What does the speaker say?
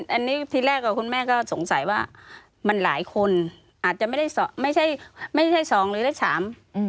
อันนี้ที่แรกคุณแม่ก็สงสัยว่ามันหลายคนอาจจะไม่ใช่สองหรือสาม